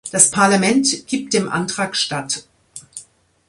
Das Parlament gibt dem Antrag statt.